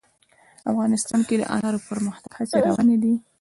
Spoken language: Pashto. افغانستان کې د انار د پرمختګ هڅې روانې دي.